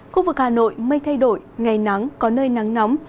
khu vực hà nội mây thay đổi ngày nắng có nơi nắng nóng